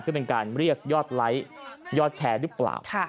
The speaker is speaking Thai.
คือเป็นการเรียกยอดไลค์ยอดแชร์หรือเปล่า